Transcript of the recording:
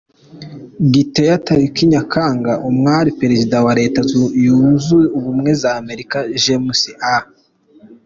Guiteau tariki Nyakanga, uwari perezida wa Leta zunze ubumwe za Amerika James A.